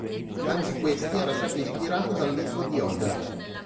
Anche questi era stato ispirato dal libro di Oberth.